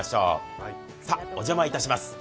お邪魔いたします。